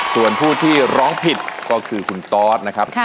ส่วนผู้ที่ร้องผิดก็คือคุณตอสนะครับ